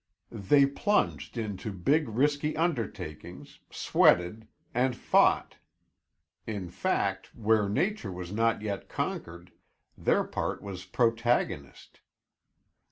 They plunged into big risky undertakings, sweated, and fought. In fact, where Nature was not yet conquered, their part was protagonist.